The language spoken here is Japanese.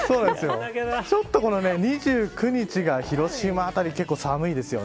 ちょっと２９日が広島辺り、結構寒いですよね。